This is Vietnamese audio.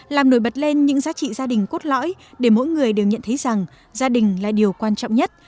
làm nổi bật lên những giá trị gia đình cốt lõi để mỗi người đều nhận thấy rằng gia đình là điều quan trọng nhất